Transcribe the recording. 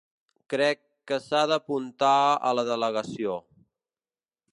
Crec que s’ha d’apuntar a la delegació.